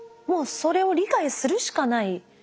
もうそれを理解するしかない。